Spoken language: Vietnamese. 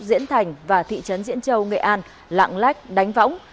diễn thành và thị trấn diễn châu nghệ an lạng lách đánh võng